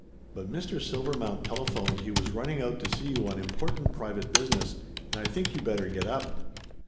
But Mr. Silver mount telephoned he was running out to see you on important private business, and I think you better get up